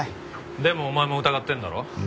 でもお前も疑ってんだろ？